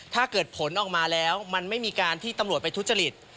ถ้าเกิดผลออกมาแล้วมันไม่มีการที่ตำรวจไปทุจริต